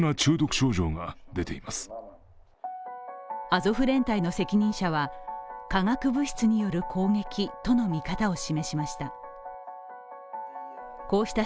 アゾフ連隊の責任者は化学物質による攻撃との見方を示しました。